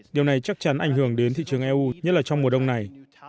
điều này chắc chắn ảnh hưởng đến thị trường eu nhất là trong mùa đông này